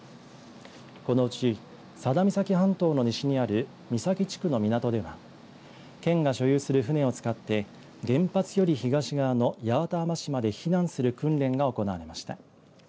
このうち、佐田岬半島の西にある三崎地区の港では県が所有する船を使って原発より東側の八幡浜市まで避難する訓練が行われました。